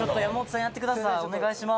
お願いします。